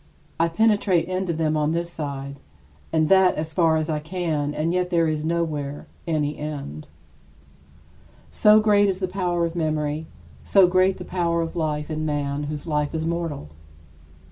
I penetrate into them on this side and that as far as I can and yet there is nowhere any end. So great is the power of memory, so great the power of life in man whose life is mortal!